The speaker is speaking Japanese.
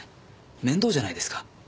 面倒じゃないですか。